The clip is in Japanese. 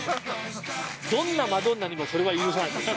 どんなマドンナにもそれは許さない。